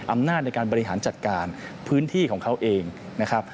อำนาจในการบริหารจัดการพื้นที่ของเขาเองนะครับ